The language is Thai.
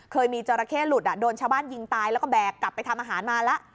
เคยมีจราเข้หลุดโดนชาวบ้านยิงตายแล้วก็แบกกลับไปทำอาหารมาแล้ว